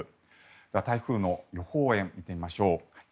では台風の予報円を見てみましょう。